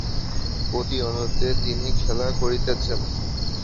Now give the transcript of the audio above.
প্রতি অণুতে তিনি খেলা করিতেছেন।